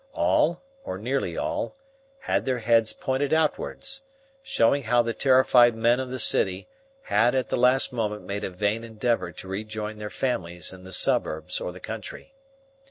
All, or nearly all, had their heads pointed outwards, showing how the terrified men of the city had at the last moment made a vain endeavor to rejoin their families in the suburbs or the country.